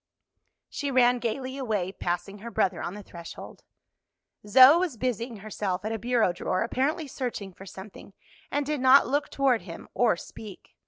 She ran gayly away, passing her brother on the threshold. Zoe was busying herself at a bureau drawer, apparently searching for something, and did not look toward him or speak.